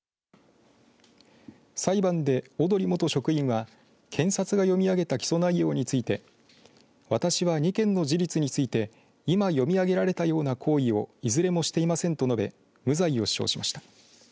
裁判で小鳥元職員は検察が読み上げた起訴内容について私は２件の事実について今読み上げられたような行為をいずれもしていませんと述べ無罪を主張しました。